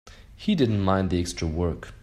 He didn't mind the extra work.